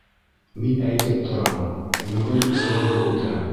Мин әйтеп торам: бөгөн срогы үтә!